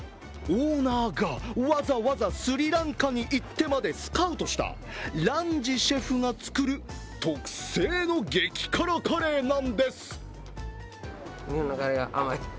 オーナーが、わざわざスリランカに行ってまでスカウトしたランジシェフが作る特製の激辛カレーなんです。